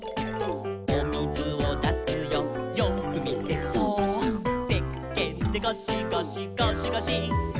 「おみずをだすよよーくみてそーっ」「せっけんでゴシゴシゴシゴシ」